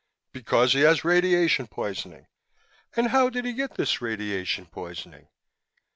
"Because he has radiation poisoning!" "And how did he get this radiation poisoning?"